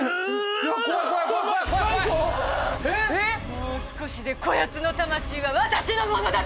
もう少しでこやつの魂は私のものだったのに！